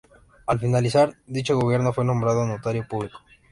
Al finalizar dicho gobierno fue nombrado notario público.